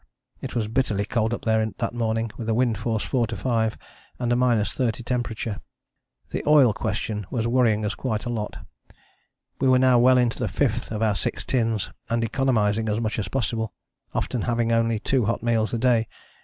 It was bitterly cold up there that morning with a wind force 4 5 and a minus thirty temperature. The oil question was worrying us quite a lot. We were now well in to the fifth of our six tins, and economizing as much as possible, often having only two hot meals a day.